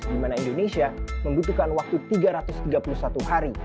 di mana indonesia membutuhkan waktu tiga ratus tiga puluh satu hari